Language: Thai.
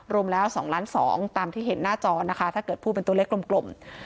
รวมแล้ว๒ล้าน๒ตามที่เห็นหน้าจอนะคะถ้าเกิดพูดเป็นตัวเลขกลม